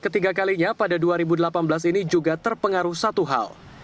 ketiga kalinya pada dua ribu delapan belas ini juga terpengaruh satu hal